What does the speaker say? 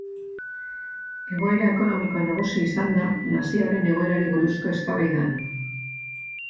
Egoera ekonomikoa nagusi izan da nazioaren egoerari buruzko eztabaidan.